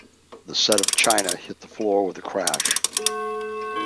The set of china hit the floor with a crash.